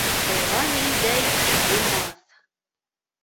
Тыуған илдәй ил булмаҫ.